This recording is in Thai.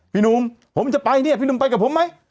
พี่หนูมผมจะไปพี่หนูมไปกับผมไหม